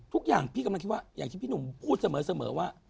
ทุกอย่างพี่กำลังคิดว่าอย่างที่พี่หนุ่มพูดเสมอว่า